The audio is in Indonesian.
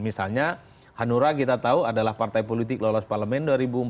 misalnya hanura kita tahu adalah partai politik lolos parlemen dua ribu empat belas